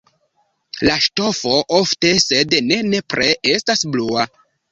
La ŝtofo ofte, sed ne nepre estas blua.